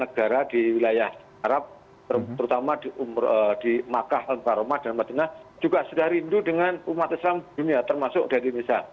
negara di wilayah arab terutama di makkah al baromah dan madinah juga sudah rindu dengan umat islam dunia termasuk dari indonesia